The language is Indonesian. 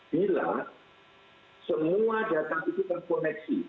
bila semua data itu terkoneksi